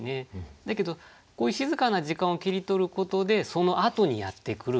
だけどこういう静かな時間を切り取ることでそのあとにやって来る